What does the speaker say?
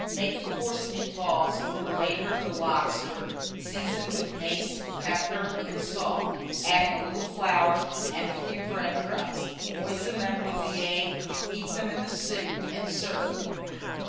Make the forcemeat balls with the remainder of the lobster, seasoned with mace, pepper, and salt, adding a little flour, and a few bread crumbs; moisten them with the egg, heat them in the soup, and serve.